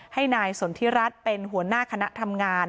ให้นายสนทิรัฐเป็นหัวหน้าคณะทำงาน